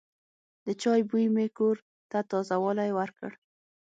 د چای بوی مې کور ته تازه والی ورکړ.